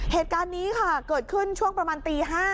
เหตุการณ์นี้ค่ะเกิดขึ้นช่วงประมาณตี๕